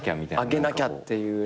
あげなきゃってなって。